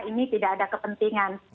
ini tidak ada kepentingan